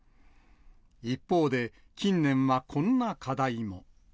一方で、近年はこんな課題も。